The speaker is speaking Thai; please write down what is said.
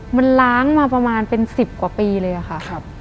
มันล้างมาประมาณเป็น๑๐กว่าปีเลยค่ะ